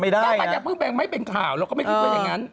มันต้องการอย่างเพิ่งแบ่งไม่เป็นข่าวแล้วก็ไม่คิดว่าอย่างนั้น